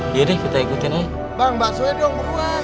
jadi kita ikutin bang bakso dong